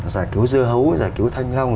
giải cứu dưa hấu giải cứu thanh long